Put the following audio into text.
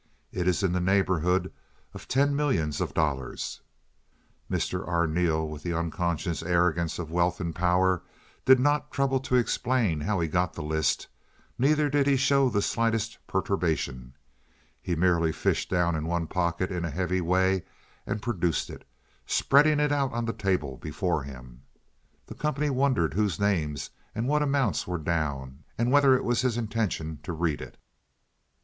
It is in the neighborhood of ten millions of dollars." Mr. Arneel, with the unconscious arrogance of wealth and power, did not trouble to explain how he got the list, neither did he show the slightest perturbation. He merely fished down in one pocket in a heavy way and produced it, spreading it out on the table before him. The company wondered whose names and what amounts were down, and whether it was his intention to read it.